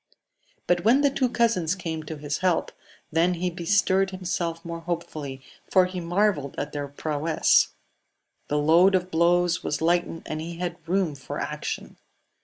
But when the two cousins came to his help, then he bestirred himself more hopefully, for he marvelled at their prowess. The load of blows was lightened, and he had room for action.